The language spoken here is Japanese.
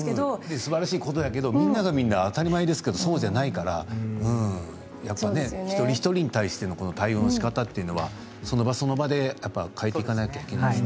すばらしいことだけどみんながみんな当たり前じゃないから、一人一人に対して対応のしかたはその場その場で変えていかなきゃいけないですね。